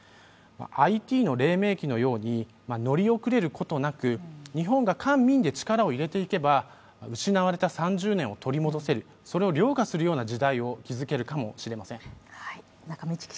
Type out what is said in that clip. ＩＴのれい明期のように乗り遅れることなく日本が官民で力を入れていけば失われた３０年を取り戻せるそれをりょうがするような時代を築けるかもしれません。